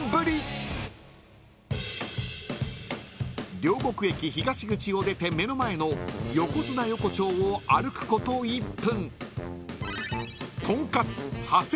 ［両国駅東口を出て目の前の横綱横丁を歩くこと１分］